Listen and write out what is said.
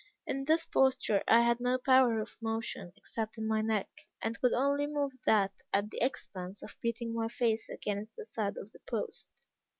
In this posture I had no power of motion, except in my neck, and could only move that at the expense of beating my face against the side of the post.